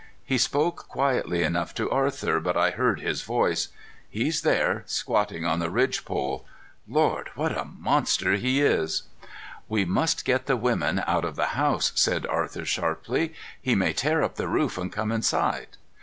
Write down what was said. He spoke quietly enough to Arthur, but I heard his voice. "He's there, squatting on the ridge pole. Lord! What a monster he is!" "We must get the women out of the house," said Arthur sharply. "He may tear up the roof and come inside.